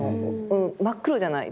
真っ黒じゃない。